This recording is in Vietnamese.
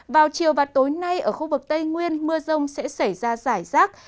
vào chiều và tối nay ở khu vực tây nguyên mưa rông sẽ xảy ra giải rác